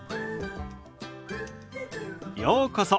ようこそ。